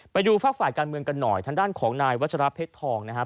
ไปดูฝากฝ่ายการเมืองกันหน่อยทางด้านของนายวัชราเพชรทองนะครับ